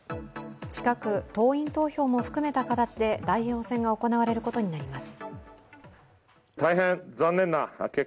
近く党員投票も含めた形で代表戦が行われることになります。